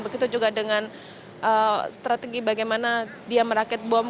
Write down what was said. begitu juga dengan strategi bagaimana dia merakit bom